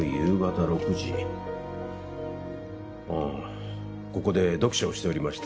うんここで読書をしておりました。